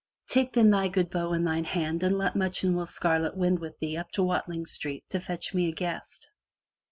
Take then thy good bow in thine hand and let Much and Will Scarlet wend with thee up to Watling Street to fetch me a guest.